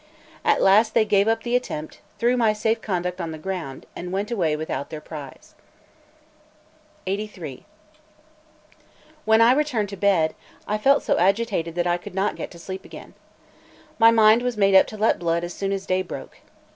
At last they gave up the attempt, threw my safe conduct on the ground, and went away without their prize. Note 1. 'I. e.,' Vincenzio Romoli. LXXXIII WHEN I returned to bed, I felt so agitated that I could not get to sleep again. My mind was made up to let blood as soon as day broke.